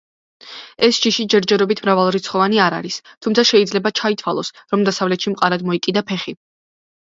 ეს ჯიში ჯერჯერობით მრავალრიცხოვანი არ არის, თუმცა შეიძლება ჩაითვალოს, რომ დასავლეთში მყარად მოიკიდა ფეხი.